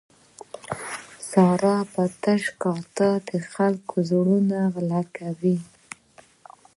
ساره په تش کاته د خلکو زړونه غلا کوي.